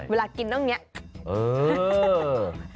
เวลากินต้องอย่างนี้